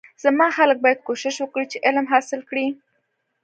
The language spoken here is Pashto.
زما خلک باید کوشش وکړی چی علم حاصل کړی